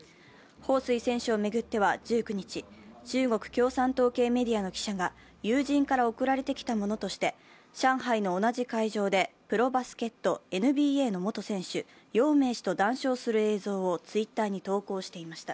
彭帥選手を巡っては１９日中国共産党系メディアの記者が友人から送られてきたものとして上海の同じ会場でプロバスケット・ＮＢＡの元選手、姚明氏と談笑する映像をＴｗｉｔｔｅｒに投稿していました。